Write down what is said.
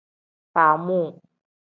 Faamuu.